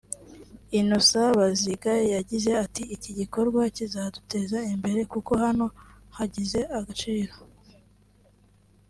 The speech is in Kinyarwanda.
Innocent Baziga yagize ati” Iki gikorwa kizaduteza imbere kuko hano hagize agaciro